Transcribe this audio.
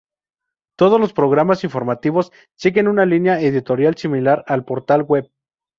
Todos los programas informativos siguen una línea editorial similar al portal web.